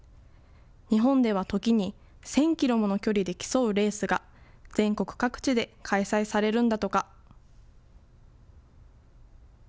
日本では時に、１０００キロもの距離で競うレースが全国各地で開催されるんだとか。